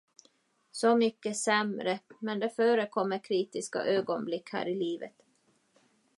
Så mycket sämre, men det förekommer kritiska ögonblick här i livet.